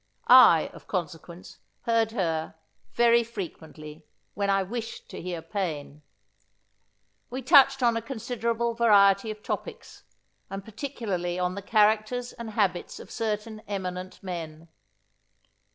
I, of consequence, heard her, very frequently when I wished to hear Paine. We touched on a considerable variety of topics, and particularly on the characters and habits of certain eminent men.